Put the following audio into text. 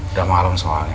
udah malem soalnya